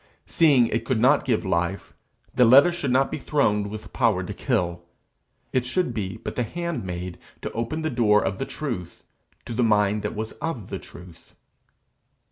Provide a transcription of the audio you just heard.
Seeing it could not give life, the letter should not be throned with power to kill; it should be but the handmaid to open the door of the truth to the mind that was of the truth.